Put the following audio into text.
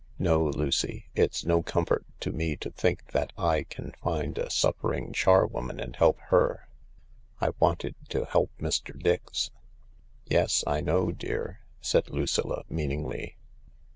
No, Lucy, it's no comfort to me to think that I can find a suffering charwoman and help her, I wanted to help Mr. Dix." "Yes, I know, dear," said Lucilla meaningly.